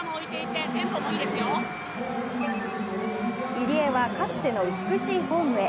入江はかつての美しいフォームへ。